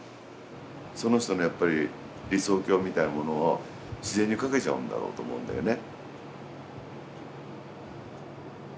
その人のやっぱり理想郷みたいなものを自然に描けちゃうんだろうと思うんだよね。